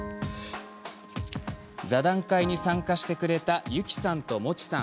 座談会に参加してくれたゆきさんと、もちさん。